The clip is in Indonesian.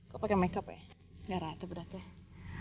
kau pakai makeup ya gak rata beratnya